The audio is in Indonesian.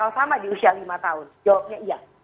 itu bakal sama di usia lima tahun jawabnya iya